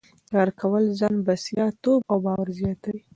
کار کول ځان بسیا توب او باور زیاتوي.